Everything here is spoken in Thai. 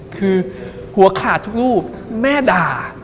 คือหัวขาดทุกรูปแม่ด่า